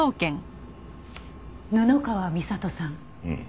布川美里さん。